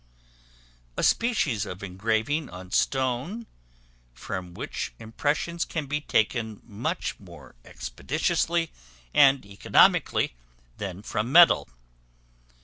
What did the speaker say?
A species of engraving on stone, from which impressions can be taken much more expeditiously and economically than from metal.